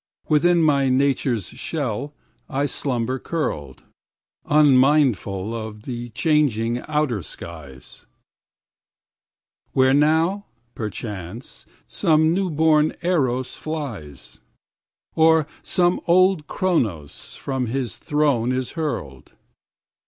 5Within my nature's shell I slumber curled,6Unmindful of the changing outer skies,7Where now, perchance, some new born Eros flies,8Or some old Cronos from his throne is hurled.